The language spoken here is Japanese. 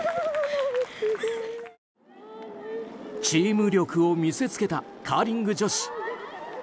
チーム力を見せつけたカーリング女子。